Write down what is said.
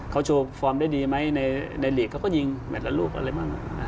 เขาโชว์ฟอร์มได้ดีไหมในหลีกเขาก็ยิงแมทละลูกอะไรบ้าง